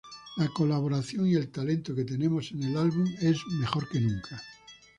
La colaboración y el talento que tenemos en el álbum es mejor que nunca.